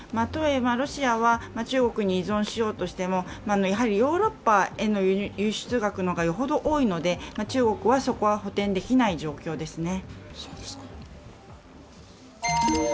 ロシアは、中国に依存しようとしてもヨーロッパへの輸出額の方がよほど多いので、中国はそこは補填できない状況ですね。